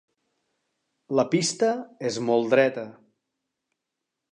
La pista és molt dreta.